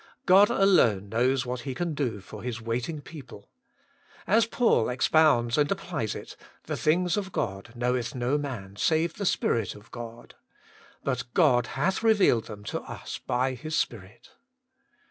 God alone knows what He can do for His waiting people. As Paul expounds and applies it :* The things of God knoweth no man, save the Spirit of God.' * But God hath revealed them to us by His Spirit.'